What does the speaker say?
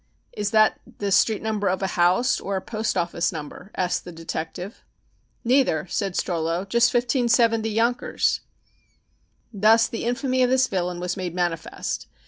"Is that the street number of a house or a post office number?" asked the detective. "Neither," said Strollo. "Just 1570 Yonkers." Thus the infamy of this villain was made manifest.